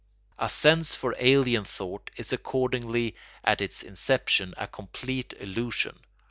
A sense for alien thought is accordingly at its inception a complete illusion.